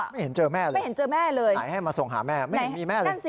ไม่เห็นเจอแม่เลยไหนให้มาส่งหาแม่ไม่เห็นมีแม่เลย